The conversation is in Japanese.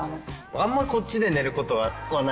あまりこっちで寝ることはな